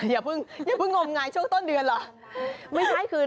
อย่าเพิ่งงมงายช่วงต้นเดือนเหรอ